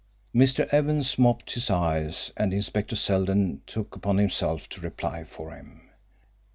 Mr. Evans mopped his eyes, and Inspector Seldon took upon himself to reply for him.